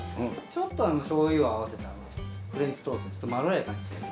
ちょっと、しょうゆを合わせたフレンチソースでまろやかに。